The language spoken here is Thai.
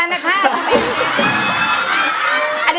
อร่อย